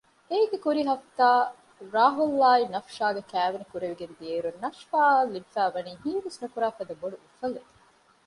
އޭގެ ކުރީ ހަފްތާ ރާހުލްއާ ނަޝްފާގެ ކައިވެނި ކުރެވިގެން ދިއައިރު ނަޝްފާއަށް ލިބިފައިވަނީ ހީވެސްނުކުރާ ފަދަ ބޮޑު އުފަލެއް